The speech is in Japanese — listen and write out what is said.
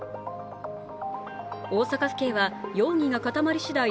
大阪府警は容疑が固まりしだい、